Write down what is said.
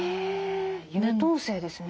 優等生ですね。